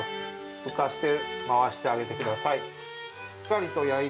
浮かして回してあげてください。